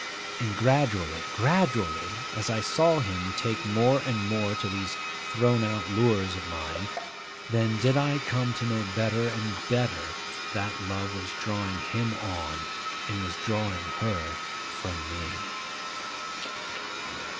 And gradually, gradually, as I saw him take more and more to these thrown out lures of mine, then did I come to know better and better that love was drawing him on, and was drawing her from me.